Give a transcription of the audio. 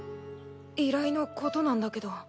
依頼のことなんだけど。